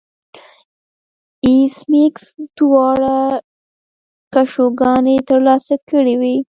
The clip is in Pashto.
ایس میکس دواړه کشوګانې ترلاسه کړې وې